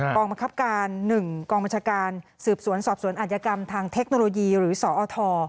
กองบังคับการ๑กองบัญชาการสืบสวนสอบสวนอัธยกรรมทางเทคโนโลยีหรือสอท